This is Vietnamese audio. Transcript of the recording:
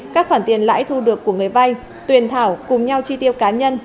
các khoản tiền lãi thu được của người vay tuyền thảo cùng nhau chi tiêu cá nhân